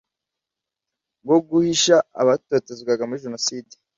bwo guhisha abatotezwaga muri jenoside